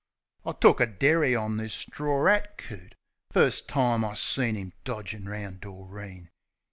I took a derry on this stror 'at coot First time I seen 'im dodgin' round Doreen.